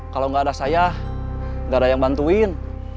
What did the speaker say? kalau gak ada saya gak ada yang bantuin